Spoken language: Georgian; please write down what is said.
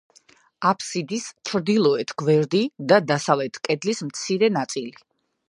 აფსიდის ჩრდილოეთ გვერდი და დასავლეთ კედლის მცირე ნაწილი.